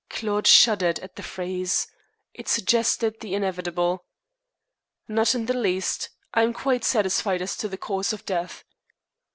Claude shuddered at the phrase. It suggested the inevitable. "Not in the least. I am quite satisfied as to the cause of death."